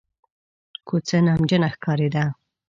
کوڅه نمجنه ښکارېده.